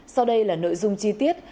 sau đây là nội dung chi tiết